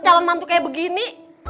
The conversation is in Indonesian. jalan mantu kayak begini